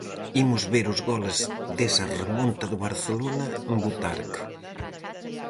Imos ver os goles desa remonta do Barcelona en Butarque.